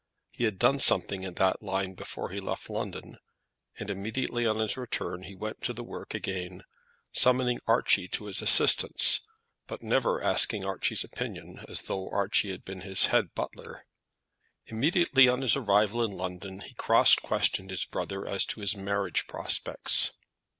He had done something in that line before he left London, and immediately on his return he went to the work again, summoning Archie to his assistance, but never asking Archie's opinion, as though Archie had been his head butler. Immediately on his arrival in London he cross questioned his brother as to his marriage prospects.